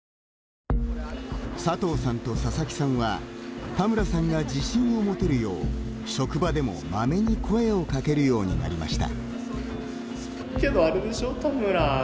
佐藤さんと佐々木さんは田村さんが自信を持てるよう職場でもまめに声をかけるようになりました。